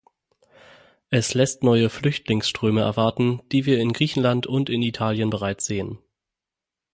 Es lässt neue Flüchtlingsströme erwarten, die wir in Griechenland und in Italien bereits sehen.